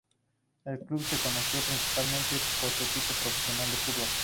El club es conocido principalmente por su equipo profesional de fútbol.